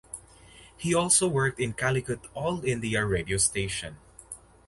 He also worked in Calicut All India Radio station.